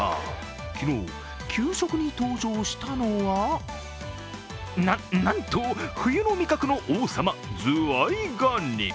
昨日、給食に登場したのはなっ、なんと、冬の味覚の王様、ズワイガニ。